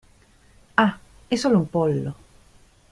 Ah, è solo un pollo.